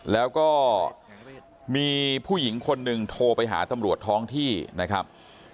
แล้วก็มีผู้หญิงคนหนึ่งโทรไปหาตำรวจท้องที่นะครับ